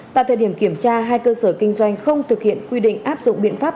tại thời điểm kiểm tra hai cơ sở kinh doanh không thực hiện quy định áp dụng biện pháp